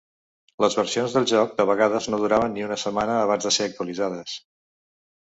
Les versions del joc de vegades no duraven ni una setmana abans de ser actualitzades.